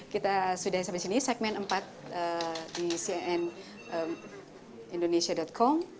kita sudah sampai sini segmen empat di cnn indonesia com